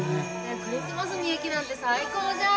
クリスマスに雪なんて最高じゃん。